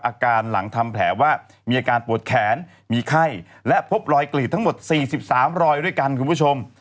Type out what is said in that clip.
อาการหลังทำแผลว่ามีอาการปวดแขนมีไข้และพบรอยกรีดทั้งหมด๔๓รอยด้วยกันคุณผู้ชม